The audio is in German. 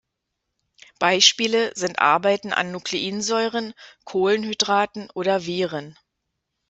Beispiele sind Arbeiten an Nukleinsäuren, Kohlenhydraten oder Viren.